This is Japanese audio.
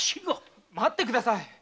待ってください。